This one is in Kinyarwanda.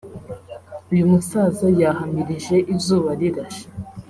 uyu musaza yahamirije Izubarirashe